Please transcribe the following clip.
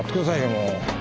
もう。